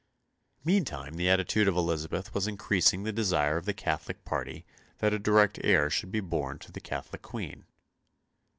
Meantime the attitude of Elizabeth was increasing the desire of the Catholic party that a direct heir should be born to the Catholic Queen.